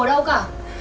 mấy đồ đâu cả